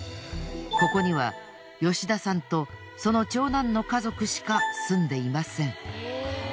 ここには吉田さんとその長男の家族しか住んでいません。